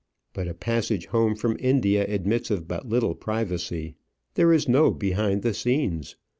But a passage home from India admits of but little privacy; there is no behind the scenes.